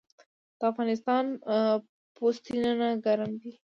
د افغانستان پوستینونه ګرم دي